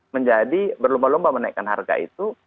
menjadi berlomba lomba menaikkan harga itu